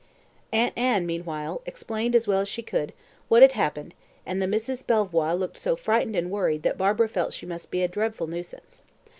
Aunt Anne, meanwhile, explained, as well as she could, what had happened, and the Misses Belvoir looked so frightened and worried that Barbara felt she must be a dreadful nuisance.